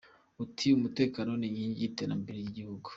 Ati “Umutekano ni inkingi y’iterambere ry’igihugu.